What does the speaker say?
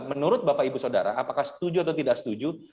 menurut bapak ibu saudara apakah setuju atau tidak setuju